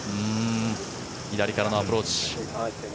左からのアプローチ。